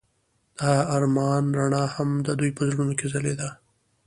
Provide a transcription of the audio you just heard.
د آرمان رڼا هم د دوی په زړونو کې ځلېده.